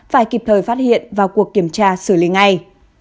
phải kịp thời phát hiện vào cuộc kiểm tra xử lý ngay